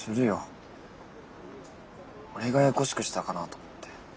俺がややこしくしたかなと思って。